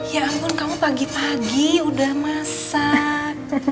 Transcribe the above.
ya ampun kamu pagi pagi udah masak